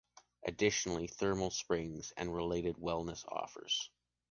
Additionally thermal springs and related wellness offers.